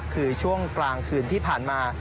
คือช่วงกลางคืนที่ผ่านมา